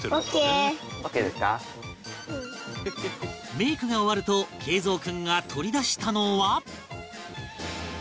メイクが終わると桂三君が取り出したのは